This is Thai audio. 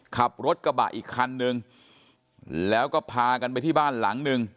ขับรถกระบะอีกคันนึงแล้วก็พากันไปที่บ้านหลังหนึ่ง